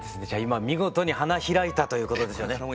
じゃあ今見事に花開いたということですよね。